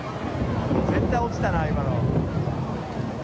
絶対落ちたな、今の！